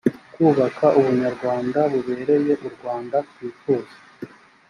kubaka ubunyarwanda bubereye u rwanda twifuza